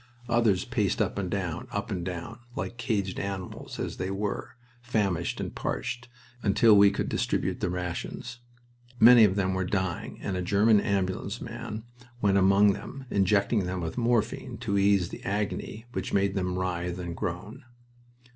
Others paced up and down, up and down, like caged animals, as they were, famished and parched, until we could distribute the rations. Many of them were dying, and a German ambulanceman went among them, injecting them with morphine to ease the agony which made them writhe and groan.